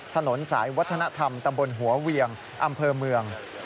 ถนนสายวัฒนธรรมตำบลหัวเวียงอำเภอเมือง